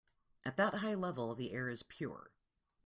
At that high level the air is pure.